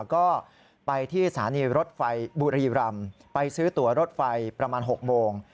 ก็ไปที่สถานีรถไฟบุรีรำไปซื้อตัวรถไฟประมาณ๖โมง